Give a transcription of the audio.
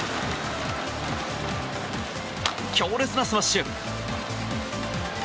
強烈なスマッシュ。